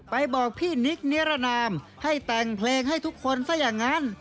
บอกพี่นิกนิรนามให้แต่งเพลงให้ทุกคนซะอย่างนั้น